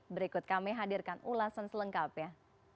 berikut kami hadirkan ulasan selengkapnya